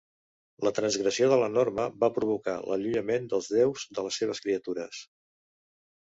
La transgressió de la norma va provocar l'allunyament dels déus de les seves criatures.